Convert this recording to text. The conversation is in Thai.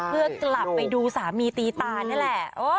เพื่อกลับไปดูสามีตีตานี่แหละ